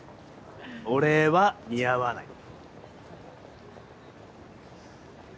「俺」は似合わない。